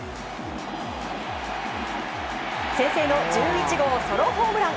先制の１１号ソロホームラン。